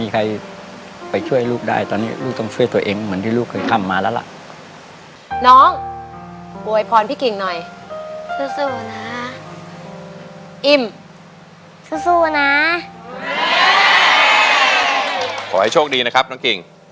ขอให้โชคดีนะครับน้องกิ่ง